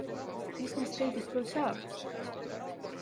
Mis neist kõigist küll saab?